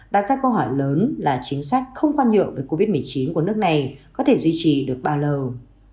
đặt ra câu hỏi lớn là chính sách không khoan nhượng với covid một mươi chín của nước này có thể duy trì được bao lâu